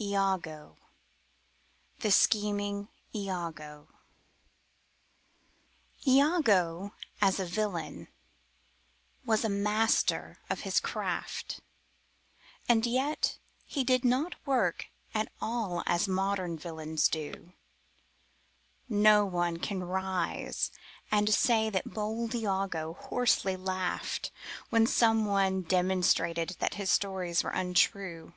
IAGO Iago as a villain was a master of his craft, And yet he did not work at all as modern villains do; No one can rise and say that bold Iago hoarsely laughed When some one demonstrated that his stories were untrue.